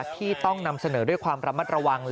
ที่ต้องนำเสนอด้วยความระมัดระวัง